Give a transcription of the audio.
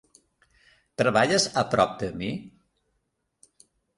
Treballes a prop de mi?